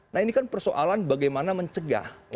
nah ini kan persoalan bagaimana mencegah